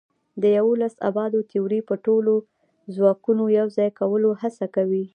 د یوولس ابعادو تیوري د ټولو ځواکونو یوځای کولو هڅه کوي.